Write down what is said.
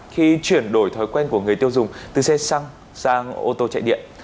khi chuyển đổi thói quen của người tiêu dùng từ xe xăng sang ô tô chạy điện